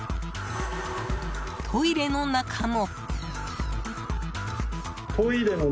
トイレの中も。